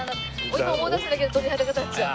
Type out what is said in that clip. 今思い出しただけで鳥肌が立っちゃう。